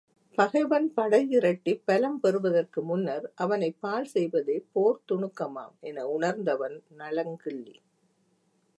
பகைவன் படை திரட்டிப் பலம் பெறுவதற்கு முன்னர் அவனைப் பாழ் செய்வதே போர் துணுக்கமாம் என உணர்ந்தவன் நலங்கிள்ளி.